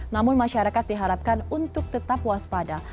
namun masyarakat diharapkan untuk tetap waspada